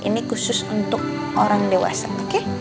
ini khusus untuk orang dewasa oke